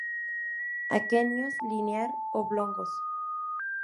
Aquenios linear-oblongos.